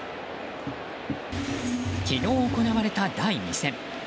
昨日行われた第２戦。